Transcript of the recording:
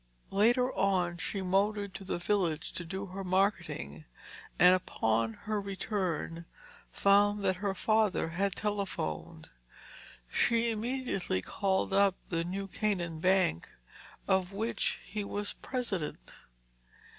Later on she motored to the village to do her marketing, and upon her return found that her father had telephoned. She immediately called up the New Canaan Bank, of which he was president.